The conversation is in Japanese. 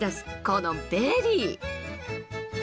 このベリー。